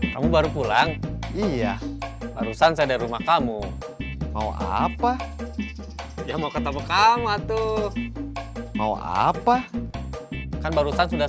kamu baru pulang iya barusan saya dari rumah kamu mau apa ya mau ketemu kamu tuh mau apa kan barusan sudah